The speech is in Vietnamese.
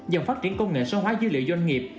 dần phát triển công nghệ số hóa dữ liệu doanh nghiệp